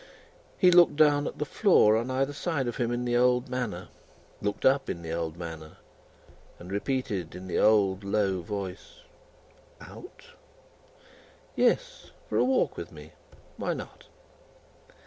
He looked down at the floor on either side of him in the old manner, looked up in the old manner, and repeated in the old low voice: "Out?" "Yes; for a walk with me. Why not?"